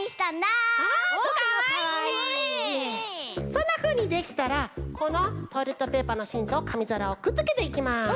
そんなふうにできたらこのトイレットペーパーのしんとかみざらをくっつけていきます。